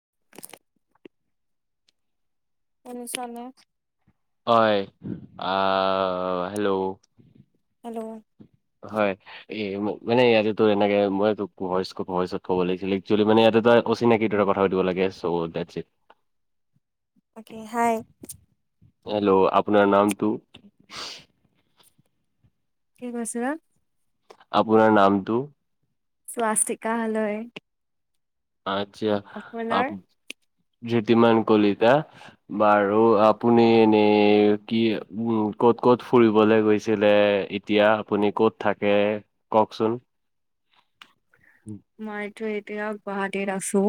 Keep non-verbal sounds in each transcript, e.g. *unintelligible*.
*unintelligible* শুনিছ নে। হয় আ হেল্ল' হেল্ল' হয় এই মানে ইয়াতে তোৰ এনেকে মই ভই ভইচত ক'ব লাগিছিল একচেলি মানে ইয়াতে তই। অচিনাকীৰ দৰে কথা পাতিব লাগে চ' ডেডচ ইট। তাকে হাই। হেল্ল' আপোনাৰ নামটো। কি কৈছে লা আপোনাৰ নামটো। স্বাস্তিকা হালৈ আচ্ছা আ আপোনাৰ জ্যোতিমান কলিতা বাৰু আপুনি এনেই কি উম ক'ত ক'ত ফুৰিবলে গৈছিলে। এতিয়া আপুনি ক'ত থাকে কওকচোন। উম মইটো এতিয়া গুৱাহাটীত আছো।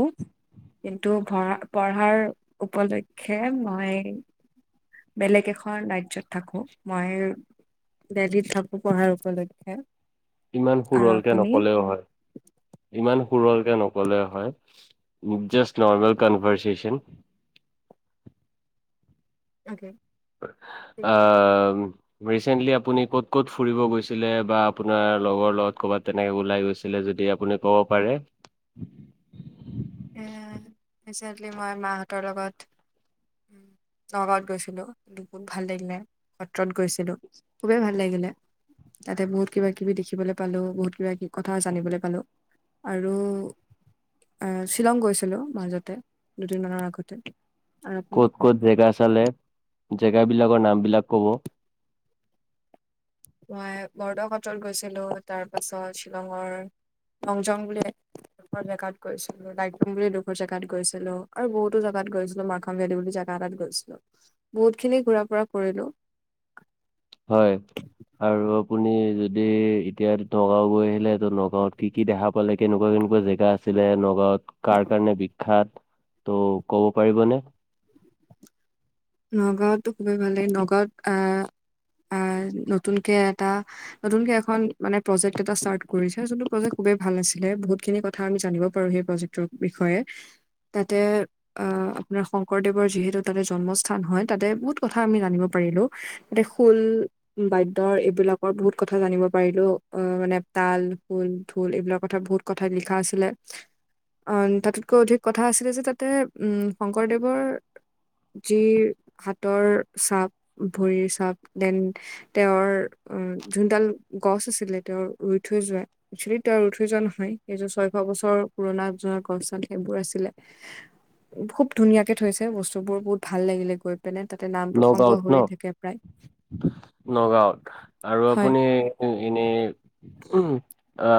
কিন্তু পঢ়া পঢ়াৰ উপলক্ষে মই। বেলেগ এখন ৰাজ্যত। থাকো মই দেল্লহিত থাকো পঢ়াৰ উপলক্ষে ইমান আৰু সুৰলকে আপুনি? নকলেও হয়। ইমান ‌সুৰল‌ নকলেও হয়। Just normal conversation. অকে। অ', ঠিক আছে। আহ ৰিচেণ্টলি আপুনি ক'ত ক'ত ফুৰিব গৈছিলে? বা আপোনাৰ লগৰ লগত ক'ৰবাত তেনেকে ওলাই গৈছিলে? যদি আপুনি। ক'ব পাৰে। এ, ৰিচেণ্টলি মই মাৰহতৰ লগত- নগাঁৱত গৈছিলো। ভাল লাগিলে সত্ৰত গৈছিলো। খুবেই ভাল লাগিলে। তাতে বহুত কিবা কিবি দেখিবলৈ পালো। বহুত কিবা কিবি কথা জানিবলৈ পালো আৰু- আহ, শ্বিলং গৈছিলো মাজতে দুদিনমানৰ আগতে। আৰু আপুনি? ক'ত ক'ত জেগা চালে জেগা বিলাকৰ নাম বিলাক ক'ব- মই বৰদহটল গৈছিলো তাৰ পাছত শ্বিলঙৰ লংজং বুলি- দুখৰ জেগাত গৈছিলো লাইটলম বুলি এদোখৰ জেগাত গৈছিলো আৰু বহুতো জেগাত গৈছিলো মা- ভেলি বুলি জোগা এটাত গৈছিলো, বহুত খিনি ঘুৰা ফুৰা কৰিলো। হয়, আৰু আপুনি যদি এতিয়া নগাঁও গৈ আহিলেটো নগ- ঘৰত কি কি দেখা পালে? কেনেকুৱা কেনেকুৱা জেগা- আছিলে নগাঁৱত কাৰ কাৰণে বিখ্যাত ত' ক'ব পাৰিবনে? নগাঁওতো খুবেই ভাল লাগে। নগাঁওত আহ নতুনকে এটা- নতুনকে এখন মানে প্ৰজেক্ট এটা ষ্টাত কৰিছে। যোনটো প্ৰজেক্ট খুবেই ভাল আছিলে বহুতখিনি কথা আমি জানিব পাৰো। সেই প্ৰজেক- তোৰ বিষয়ে তাতে অঁ' আপোনাৰ শংকৰদেৱৰ যিহেতু তাতে জনম- স্থান হয়। তাতে বহুত কথা আমি জানিব পাৰিলো। তাতে শূল বাদ্যৰ এইবিলাকৰ বহুত কথা জানিব পাৰিলো। অঁ' মানে তাল খুল ঢোল এইবিলাকৰ কথা বহুত- কথাত লিখা আছিলে। অঁ তাতোতকৈ অধিক কথা আছিলে যে, তাতে উম শংকৰদেৱৰ- যি হাতৰ চাপ ভৰিৰ চাপ দেন- তেওঁৰ যোনডাল গছ আছিলে তেওঁৰ ৰুই থৈ যোৱা- একচুৱেলি তয় ৰুই থৈ যোৱা নহয়। এইযোৰ ছয়শ বছৰৰ পুৰণা যোৱা গচান সেইবোৰ আছিলে। খুব ধুনীয়াকে থৈছে বস্তু বোৰ বহুত ভাল লাগিলে গৈ। তেনে তাতে নাপ- নগাঁওত ন নগাঁৱত আৰু হয় আপুনি- এনেই আ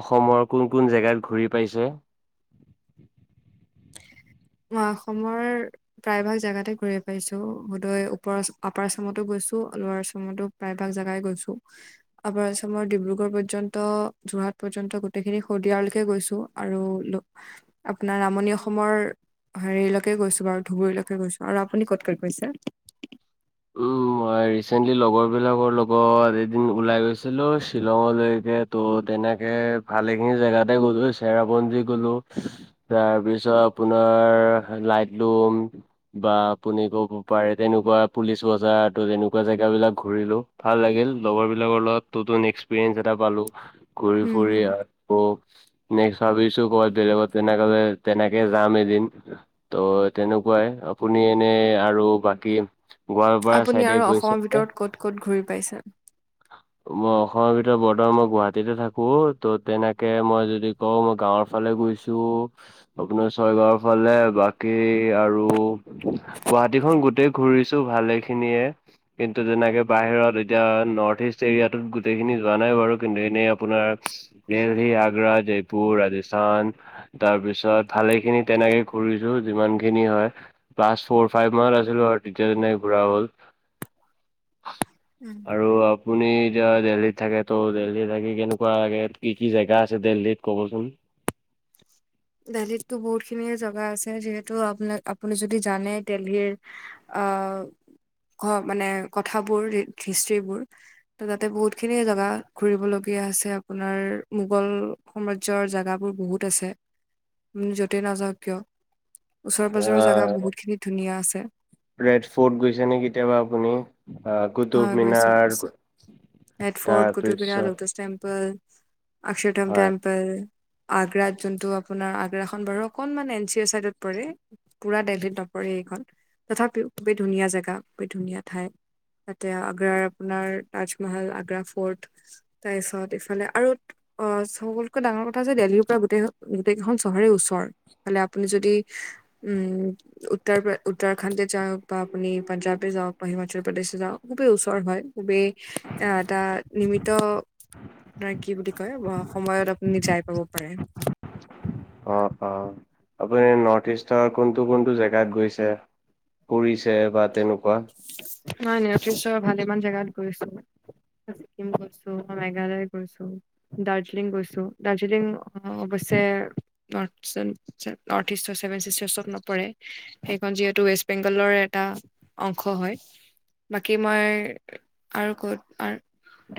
অসমৰ কোন কোন জেগাত ঘূৰি পাইছে? মই অসমৰ- প্ৰায় ভাগ জেগাতে ঘূয়ে পাইছো হুদয় ওপৰ অপাৰ আচামতো গৈছো লৌৱাৰাৰ আচামতো- প্ৰায়ভাগ জাগাই গৈছো। আপাৰ আচামাৰৰ ডিব্ৰুগড় পৰ্যন্ত যোৰহাট পৰ্যন্ত গোটেইখিনি শদিয়াললৈকে গৈছো। আৰু নো আপোনাৰ নামনীয় অস- অসমৰ হেৰিলৈকে গৈছো বাৰু ধুবুৰীলৈকে গৈছো আৰু আপুনি ক'ত ক'ত কৈ গৈছে? উম, *inaudible* মই ৰিচেন্টলি লগৰ বিলাকৰ লগত এদিন ওলাই গৈছিলো শ্বিলঙলৈকে- ত' তেনেকে ভালেখিনি জেগাতে গ'লো চেৰাপঞ্জী গলো- তাৰ পিছত আপোনাৰ লাইট লুম- বা আপুনি ক'ব পাৰে তেনেকুৱা- পুলিচ বজাৰ ত তেনেকুৱা জেগা বিলাক ঘুৰিলো ভাল লাগিল লগৰ বিলাকৰ লগত তোটো নেক্স- একপ্ৰিৰিয়েঞ্চ এটা পালো ঘূৰি উম ফুৰি। হুম অ'নেক্স ভাবিছো ক বেলেগত তেনেকে তেনেকে যাম এদিন। ত' তেনেকুৱাই আপুনি এনেই আৰু বাকী- গোৱালপাৰা আপুনি চাইডে আৰু গৈছে অসমৰ নে? ভিতৰত ক'ত ক'ত ঘূৰি পাইছে? মই অসমৰ ভিতৰত বৰতমান মই গুৱাহাটীতে থাকো ত' তেনেকে মই যদি- কওঁ, মই গাঁৱৰ ফালে ঘুৰিছো- আপোনাৰ ছয়গাঁৱৰ ফালে বাকী আৰু গুৱাহাটীখন গোটেই ঘুৰিছো। ভালে খিনিয়ে কিন্তু যেনেকৈ বাহিৰত এতিয়া নৰ্থ ইষ্ট এৰিয়াটোত গোটেইখিনি যোৱা নাই বাৰু কিন্তু এনেই আপোনাৰ দেলহি আগ্ৰা জয়পুৰ ৰাজস্থান তাৰ পিছত ভালেখিনি তেনেকে ঘূৰিলোঁ যিমান খিনি হয়। ক্লাছ ফ'ৰ ফাইভ মানত আছিলোঁ আৰু তেতিয়া তেনেকে ঘুৰা হ'ল। *inaudible* আৰু আপুনি এতিয়া দেল্হীত থাকে তো দেল্হী থাকি কেনেকুৱা লাগে কি, কি জেগা আছে দেলহীত ক'বচোন। দেল্হীতো বহুত খিনিয়ে জেগা আছে যিহেতু আপ-আপুনি যদি জানে দেলহীৰ অহ মানে কথাবোৰ হিষ্টীবোৰ ত তাতে বহুত খিনিয়ে জোগা ঘুৰিবলগীয়া আছে আপোনাৰ মোগল সাম্ৰাজ্যৰ জেগাবোৰ বহুত আছে। য'তে নাযাও কিয় ওচৰে পাজৰৰ জাগা আহ বহুত খিনি ধুনীয়া আছে। ৰেড ফৰ্ট গৈছে নে কেতিয়াবা আপুনি কুটুব মিনাৰ ৰেডফ'ৰ্ট কুটুবমিনাৰ তাৰপিছত ল'টাছ টেম্পল অক্ষতম হয় টেম্পল আগ্ৰাত যোনটো আপোনাৰ আগ্ৰাখন বাৰু অকনমান এন চি অৰ চাইডত পৰে পুৰা দেল্হীত নপৰে এইখন তথাপিও খুবেই ধুনীয়া জেগা খুবেই ধুনীয়া ঠাই। তাতে আগ্ৰাৰ আপোনাৰ তাজমল আগ্ৰা ফৰ্ট তাৰ পিছত ইফালে আৰু অ', চবতকৈ ডাঙৰ কথা যে দেল্হীৰ পৰা গোটেই গোটেই খন চহৰে ওচৰ। ফালে আপুনি যদি উম উত্তৰ উত্তৰাখাণ্ডে যাওঁক। বা আপনি পঞ্জাবে যাওঁক *unintelligible* উত্তৰ প্ৰদেশে যাওঁক খুবেই ওচৰ হয় খুবেই এ এটা নিমিত আপোনাৰ কি বুলি কয় সময়ত আপুনি যাই পাব পাৰে। অ অ *inaudible* আপুনি নৰ্থ ইষ্টৰ কোনটো কোনটো জেগাত গৈছে। পৰিছে বা তেনেকুৱা। নাই নাই নৰ্থ ইষ্টৰ ভালেমান জাগাত গৈছোঁ। ছিকিম গৈছোঁ বা মেঘালয় গৈছোঁ। দাৰ্জিলিং গৈছোঁ দাৰ্জিলিং অৱশ্যে ন নৰ্থ ইষ্টৰ ছেভেন চিটাৰচত নপৰে। সেইখন যিহেতু ৱেষ্ট বেংগলৰ এটা অংশ হয় বাকী মই আৰু ক'ত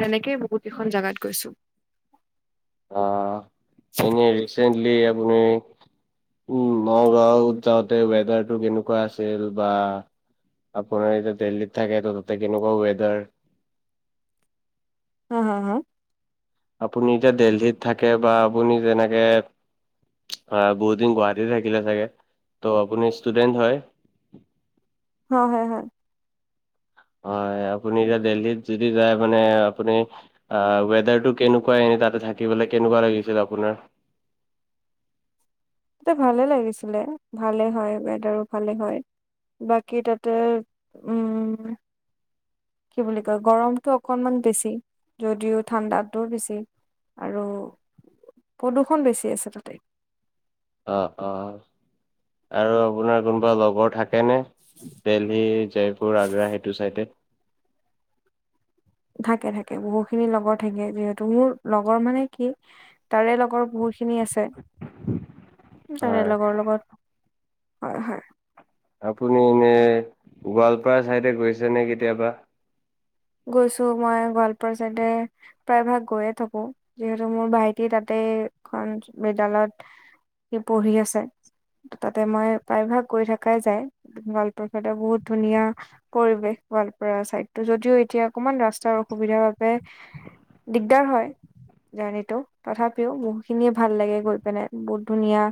তেনেকেই বহুত কেইখন জাগাত গৈছোঁ। অ', এনেই ৰিচেণ্টলি আপুনি উম নগাঁৱত যাওঁতে ৱেডাৰ টো কেনেকুৱা আছিল বা। আপুনি এতিয়া দিল্লীত থাকে তো তাতে কেনেকুৱা ৱেডাৰ হ হা হা আপুনি এতিয়া দেলহীত থাকে বা আপুনি যেনেকে অ', বহুত দিন গুৱাহাটীতে থাকিলে চাগে ত' আপুনি ষ্টুডেন্ট হয়। হয়, হয়, হয়। হয় আপুনি এতিয়া দিল্হীত যদি যায় মানে আপুনি অ', ৱেডাৰটো কেনেকুৱা এনেই তাতে থাকিবলৈ কেনেকুৱা লাগিছিল আপোনাৰ তাতে ভালে লাগিছিলে ভালে হয় ৱেডাৰো ভালে হয়। বাকী তাতে উম কি বুলি কয় গৰমতটো অকনমান বেছি যদিও ঠাণ্ডাতটোও বেছি। আৰু প্ৰদূষণ বেছি আছে তাতে। অ', অ' আৰু আপোনাৰ কোনোবা লগৰ থাক তেনে দেলহী, জয়পুৰ, আগ্ৰা সেইটো চাইডে? থাকে থাকে, বহুতখিনি লগৰ থাকে, যিহেতু মোৰ লগৰ মানে কি তাৰে লগৰ বহু খিনি আছে, তাৰে হয়, লগৰ লগত, হয় হয়। আপুনি এনে গোৱালপাৰা চাইডে গৈছেনে কেতিয়াবা? গৈছোঁ মই গোৱালপাৰা চাইডে প্ৰায় ভাগ গৈয়ে থাকোঁ, যিহেতু মোৰ ভাইটি তাতে এখন বিদ্যালয়ত সি পঢ়ি আছে। ত' তাতে মই প্ৰায়ভাগ গৈ থাকাই যায়, গোৱালপাৰা খতে বহুত ধুনীয়া পৰিৱেশ গোৱালপাৰা চাইডটো, যদিও এতিয়া অকমান ৰাস্তাৰ অসুবিধাৰ বাবে দিগদাৰ হয়। জাৰ্ণিটো তথাপিও বহুতখিনিয়ে ভাল লাগে গৈ পেলাই, বহুত ধুনীয়া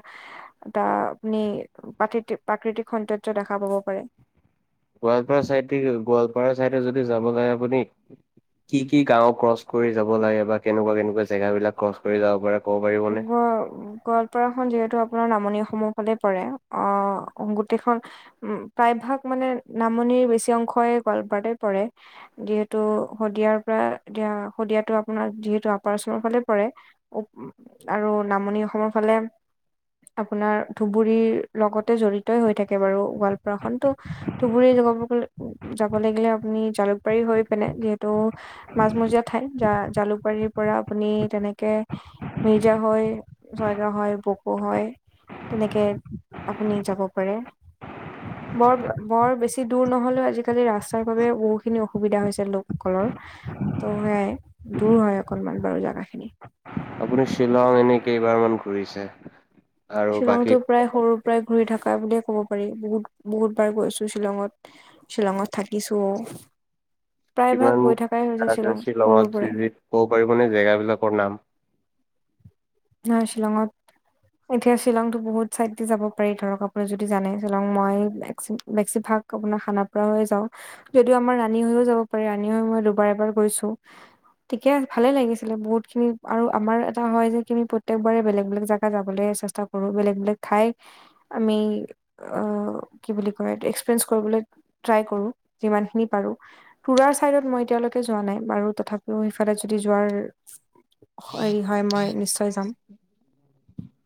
এটা আপুনি প্ৰাত্ৰিতি-প্ৰাকৃতিক সৌন্দৰ্য দেখা পাব পাৰে। গোৱালপাৰা চাইডে, গোৱালপাৰা চাইডে যদি যাব লাগে আপুনি কি কি গাওঁ ক্ৰছ কৰি যাব লাগে বা কেনেকুৱা কেনেকুৱা জেগাবিলাক ক্ৰচ কৰি যাব পাৰে ক'ব পাৰিবনে? *unintelligible* পাৰাখন যিহেতু আপোনাৰ নামনি অসমৰ ফালে পৰে আ, গোটেইখন উ, প্ৰায় ভাগ মানে নামনিৰ বেছি অংশই গোৱালপাৰাতে পৰে। যিহেতু শদিয়াৰ পৰা দিয়া, শদিয়াটো আপোনাৰ যিহেতু আপাৰ আচামৰ ফালে পৰে। উ, আৰু নামনি অসমৰ ফালে আপোনাৰ ধুবুৰীৰ লগতে জড়িতই হৈ থাকে বাৰু গোৱালপাৰাখন ত' ধুবুৰী *unintelligible* যাব লাগিলে আপুনি জালুকবাৰী হৈ পিনে যিহেতু মাজমজীয়া ঠাই জা-জালুকবাৰীৰ পৰা আপুনি তেনেকে মিৰ্জা হৈ, চয়গাওঁ হৈ বোকো হৈ তেনেকে আপুনি যাব পাৰে। বৰ বৰ বেছি দূৰ নহ'লেও আজিকালি ৰাস্তাৰ বাবে বহুখিনি অসুবিধা হৈছে লোকসকলৰ। ত' সেয়াই, দূৰ হয় অকনমান বাৰু জাগাখিনি। আপুনি শ্বিলং এনে কেইবাৰমান ঘুৰিছে? শ্বিলংতো প্ৰায় সৰুৰ পৰাই ঘূৰি থকা বুলিয়ে ক'ব পাৰি, বহুত বহুত বাৰ গৈছোঁ শ্বিলঙত। শ্বিলঙত থাকিছোঁ কিমান আ, শ্বিলং সৰুৰ শ্বিলঙত যি পৰাই যি ক'ব পাৰিবনে জেগাবিলাকৰ নাম? নাই শ্বিলঙত এতিয়া শ্বিলংতো বহুত চাইডদি যাব পাৰি, ধৰক আপুনি যদি জানে শ্বিলং মই *unintelligible* ভাগ আপোনাৰ খানাপাৰা হৈ যাওঁ, যদিও আমাৰ ৰাণী হৈয়ো যাব পাৰি, ৰাণী হৈ মই দুবাৰ এবাৰ গৈছোঁ। ঠিকে, ভালে লাগিছিলে বহুতখিনি আৰু আমাৰ এটা হয় যে *unintelligible* প্ৰত্যেক বাৰে বেলেগ বেলেগ জাগা যাবলৈ চেষ্টা কৰোঁ, বেলেগ বেলেগ ঠাই আমি আ, কি বুলি কয় এইটো, এক্সপেৰিয়েন্স কৰিবলৈ ট্ৰাই কৰোঁ যিমানখিনি পাৰোঁ। পুৰাৰ চাইডত মই এতিয়ালৈকে যোৱা নাই, বাৰু তথাপিও সেইফালে যদি যোৱাৰ *unintelligible* হয়, মই নিশ্চয় যাম।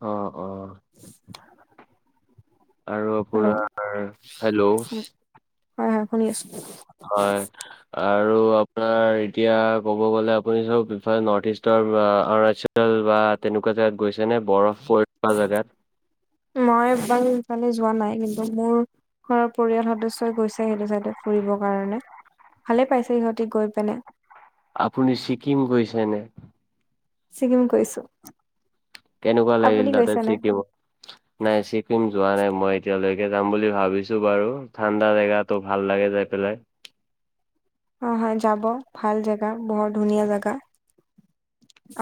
অ', অ'। আৰু হেল্ল' আপোনাৰ, হেল্ল'। হয় হয় শুনি আছোঁ হয়। আৰু আপোনাৰ এতিয়া ক'ব গ'লে আপুনি চব ইফালে নৰ্থ ইষ্টৰ *unintelligible* তেনেকুৱা জেগাত গৈছেনে, বৰফ পৰি থাকা জাগাত? মই বাহিৰফালে যোৱা নাই কিন্তু মোৰ ঘৰৰ পৰিয়াল সদস্যই গৈছে সেইটো চাইডে ফুৰিবৰ কাৰণে। ভালে পাইছে সিহঁতি গৈ পিনে। আপুনি ছিকিম গৈছেনে? ছিকিম গৈছো। কেনেকুৱা লাগিল তাতে চিকিমত? নাই ছিকিম যোৱা নাই মই এতিয়ালৈকে যাম বুলি ভাবিছো বাৰু ঠাণ্ডা জেগাত তো ভাল লাগে যাই পেলাই। অ হয় যাব, ভাল জেগা বৰ ধুনীয়া জেগা,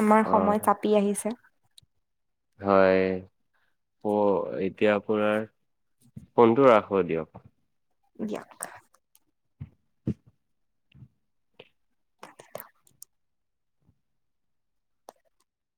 আমাৰ অ সময় চাপ পি আহিছে। হয়, অ', এতিয়া আপোনাৰ ফোনটো ৰাখো দিয়ক। দিয়ক।